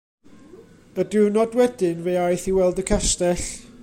Y diwrnod wedyn fe aeth i weld y castell.